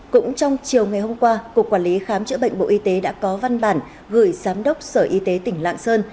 cũng trong chiều ngày hôm qua cục quản lý khám chữa bệnh bộ y tế đã có văn bản gửi giám đốc sở y tế tỉnh lạng sơn